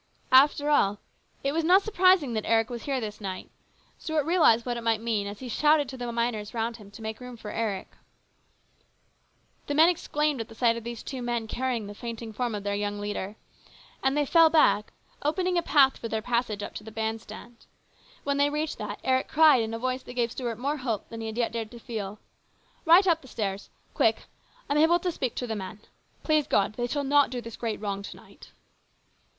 After all, it was not surprising that Eric was here this night. Stuart realised what it might mean as he shouted to the miners round him to make room for Eric. The men exclaimed at sight of these two men carrying the fainting form of their young leader, and they fell back, opening a path for their passage up to the band stand. When they reached that, Eric cried in a voice that gave Stuart more hope than he had yet dared to feel, " Right up the stairs ! Quick ! I'm able to speak to the men. Please God, they shall not do this great wrong to night."